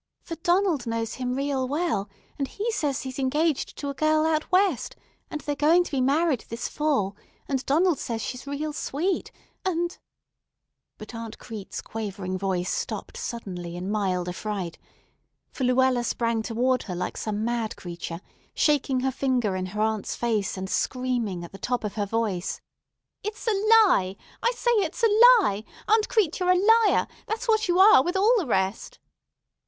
For Donald knows him real well, and he says he's engaged to a girl out West, and they're going to be married this fall; and Donald says she's real sweet and——" But Aunt Crete's quavering voice stopped suddenly in mild affright, for Luella sprang toward her like some mad creature, shaking her finger in her aunt's face, and screaming at the top of her voice: "It's a lie! I say it's a lie! Aunt Crete, you're a liar; that's what you are with all the rest."